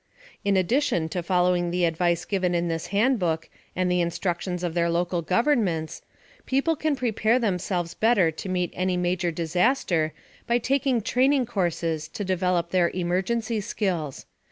In addition to following the advice given in this handbook and the instructions of their local governments, people can prepare themselves better to meet any major disaster by taking training courses to develop their "emergency skills."